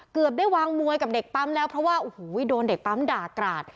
เกือบได้วางมวยกับเด็กปั๊มแล้วเพราะว่าโอ้โหโดนเด็กปั๊มด่ากราด